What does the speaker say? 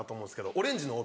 オレンジの帯。